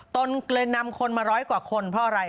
ตนเลยนำคนมาร้อยกว่าคนเพราะอะไร